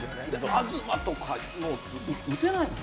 東とか打てないもん。